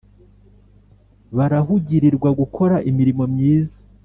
barahugirirwa gukora imirimo myiza